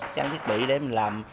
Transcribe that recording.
trang thiết bị để mình làm